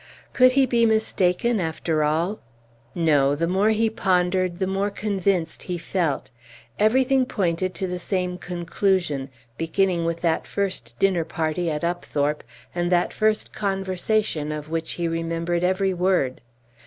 Could he be mistaken after all? No; the more he pondered, the more convinced he felt. Everything pointed to the same conclusion, beginning with that first dinner party at Upthorpe, and that first conversation of which he remembered every word.